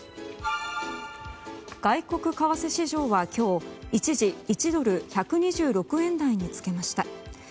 外国為替市場は今日一時１ドル＝１２６円台をつけました。